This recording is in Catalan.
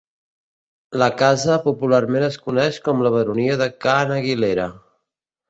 La casa popularment es coneix com la Baronia de Ca n'Aguilera.